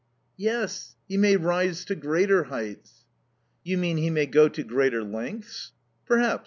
"Yes. He may rise to greater heights." "You mean he may go to greater lengths?" "Perhaps.